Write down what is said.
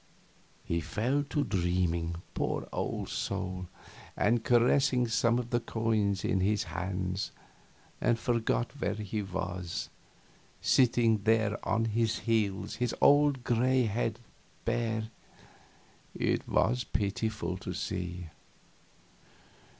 He fell to dreaming, poor old soul, and caressing some of the coins in his hands, and forgot where he was, sitting there on his heels with his old gray head bare; it was pitiful to see.